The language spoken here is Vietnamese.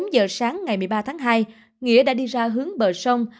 tám giờ sáng ngày một mươi ba tháng hai nghĩa đã đi ra hướng bờ sông